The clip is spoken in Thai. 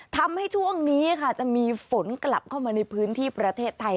ทำให้ช่วงนี้ค่ะจะมีฝนกลับเข้ามาในพื้นที่ประเทศไทย